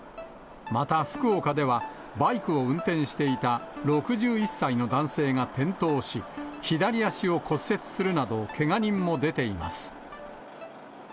また、福岡ではバイクを運転していた６１歳の男性が転倒し、左足を骨折するなど、けが人も出ています。